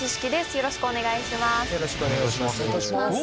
よろしくお願いします。